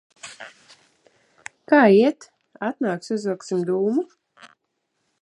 Kā iet? Atnāksi, uzvilksim dūmu?